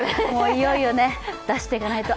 いよいよね、出していかないと。